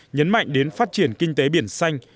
nhấn mạnh đến phát triển kinh tế biển xanh